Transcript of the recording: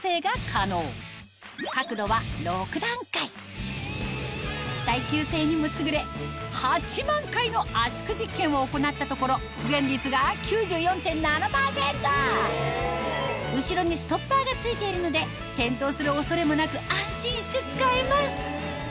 こちら耐久性にも優れ８万回の圧縮実験を行ったところ後ろにストッパーが付いているので転倒する恐れもなく安心して使えます